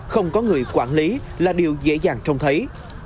không có người quản lý là điều dễ dàng trông thấy